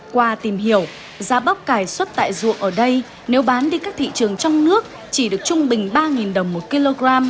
qua tìm hiểu giá bắp cải xuất tại ruộng ở đây nếu bán đi các thị trường trong nước chỉ được trung bình ba đồng một kg